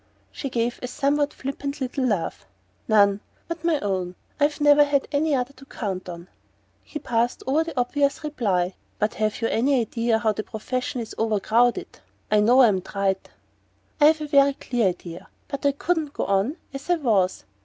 She gave a somewhat flippant little laugh. "None but my own. I've never had any other to count on." He passed over the obvious reply. "But have you any idea how the profession is over crowded? I know I'm trite " "I've a very clear idea. But I couldn't go on as I was."